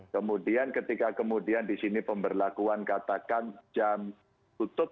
kemudian ketika kemudian di sini pemberlakuan katakan jam tutup